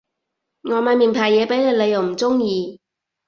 我買名牌嘢畀你你又唔中意